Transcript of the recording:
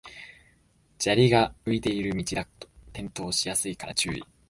砂利が浮いてる道だと転倒しやすいから注意